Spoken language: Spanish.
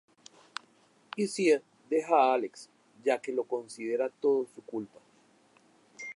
Izzie deja a Alex ya que lo considera todo su culpa.